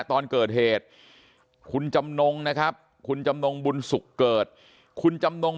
ตอนเกิดเหตุคุณจำนงนะครับคุณจำนงบุญสุขเกิดคุณจำนง